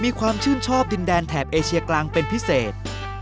มีความชื่นชอบดินแดนแถบเอเชียกลางเป็นพิเศษ